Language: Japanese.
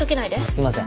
すいません。